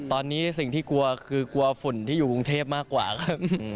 ตอนนี้สิ่งที่กลัวคือกลัวฝุ่นที่อยู่กรุงเทพมากกว่าครับ